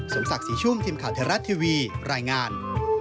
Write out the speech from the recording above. สมศักดิ์สิชุมทีมขาวเทศรัทย์ทีวีรายงาน